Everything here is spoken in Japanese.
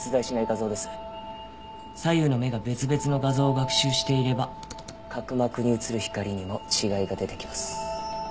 左右の目が別々の画像を学習していれば角膜に映る光にも違いが出てきます。